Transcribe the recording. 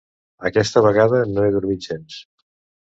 Aquesta vegada no he dormit gens.